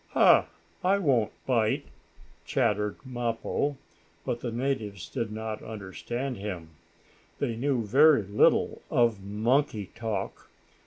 "Ha! I won't bite!" chattered Mappo, but the natives did not understand him. They knew very little of monkey talk.